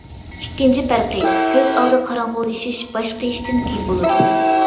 ئىككىنچى پەرقى: كۆز ئالدى قاراڭغۇلىشىش باش قېيىشتىن كېيىن بولىدۇ.